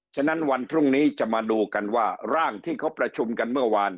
ฉะนั้นวันพรุ่งนี้จะมาดูกันว่าร่างที่เขาประชุมกันเมื่อวาน